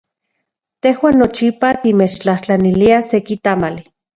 Tejuan nochipa timechtlajtlaniliaj seki tamali.